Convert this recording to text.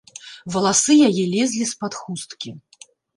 Валасы яе лезлі з-пад хусткі.